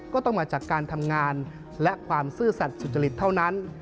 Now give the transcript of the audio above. ก็ต้องมาจากการทำงานและความซื่อสัตว์สุจริตเท่านั้น